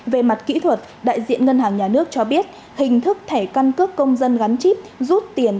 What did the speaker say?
về mặt kỹ thuật đại diện ngân hàng nhà nước cho biết hình thức thẻ căn cước công dân gắn chip rút tiền